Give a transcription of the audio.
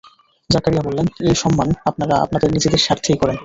জাকারিয়া বললেন, এই সম্মান আপনারা আপনাদের নিজেদের স্বার্থেই করেন।